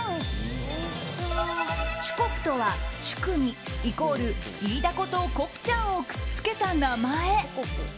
チュコプとは、チュクミイコール、イイダコとコプチャンをくっつけた名前。